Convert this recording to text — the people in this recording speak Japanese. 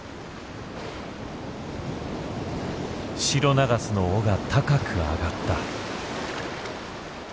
シロナガスの尾が高く上がった。